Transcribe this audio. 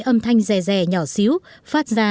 âm thanh rè rè nhỏ xíu phát ra